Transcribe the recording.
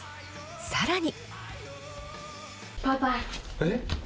さらに。